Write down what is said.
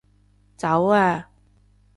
走啊